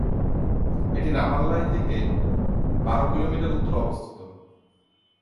এটি রামাল্লায় থেকে বারো কিলোমিটার উত্তরে অবস্থিত।